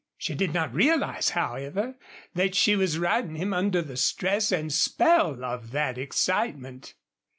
She did not realize, however, that she was riding him under the stress and spell of that excitement.